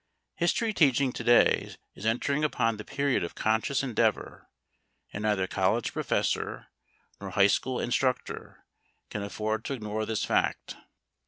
History teaching to day is entering upon the period of conscious endeavor, and neither college professor nor high school instructor can afford to ignore this fact.